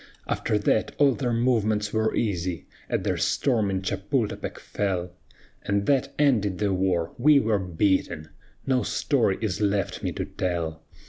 "After that all their movements were easy; At their storming Chapultepec fell, And that ended the war we were beaten: No story is left me to tell.